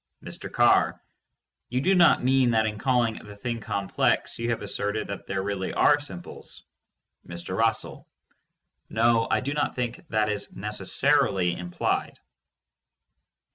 Mr. Carr: You do not mean that in calling the thing complex, you have asserted that there really are simples? Mr. Russell: No, I do not think that is necessarily implied.